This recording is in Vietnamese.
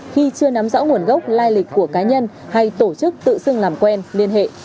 khi chưa nắm rõ nguồn gốc lai lịch của cá nhân hay tổ chức tự xưng làm quen liên hệ